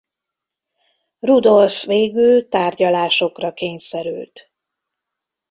Rudolf végül tárgyalásokra kényszerült.